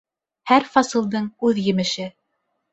Һәр фасылдың үҙ емеше.